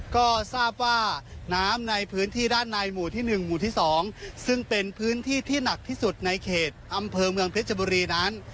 ก็ทราบว่าน้ำในพื้นที่ด้านในหมู่ที่๑หมู่ที่๒ซึ่งเป็นพื้นที่ที่หนักที่สุดในเขตอำเภอเมืองเพชรบุรีนั้น